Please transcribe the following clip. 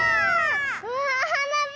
わはなび！